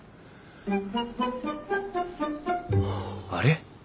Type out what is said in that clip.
あれ？